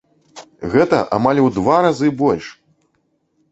Гэта амаль у два разы больш!